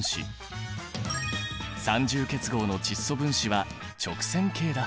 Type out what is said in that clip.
三重結合の窒素分子は直線形だ。